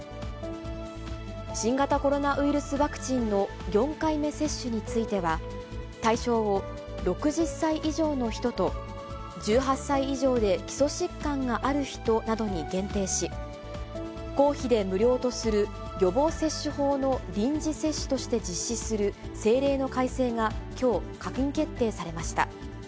新型コロナウイルスワクチンの４回目接種については、対象を６０歳以上の人と、１８歳以上で基礎疾患がある人などに限定し、公費で無料とする予防接種法の臨時接種として実施する政令の改正がきょう閣議決定されました。